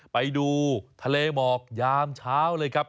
ไปดูทะเลหมอกยามเช้าเลยครับ